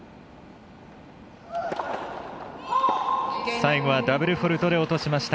最後はダブルフォールトで落としました